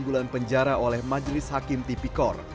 enam bulan penjara oleh majelis hakim tipikor